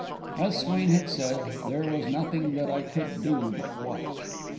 As Swain had said, there was nothing that I could do but watch.